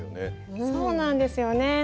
そうなんですよね。